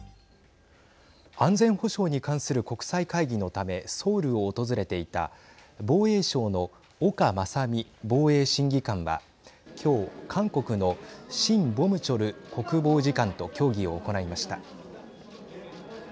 安全保障に関する国際会議のためソウルを訪れていた防衛省の岡真臣防衛審議官は今日、韓国のシン・ボムチョル国防次官と協議を行いました。